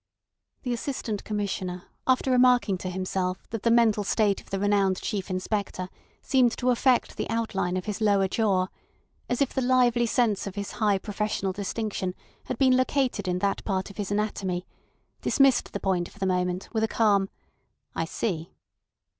The Assistant Commissioner after remarking to himself that the mental state of the renowned Chief Inspector seemed to affect the outline of his lower jaw, as if the lively sense of his high professional distinction had been located in that part of his anatomy, dismissed the point for the moment with a calm "I see."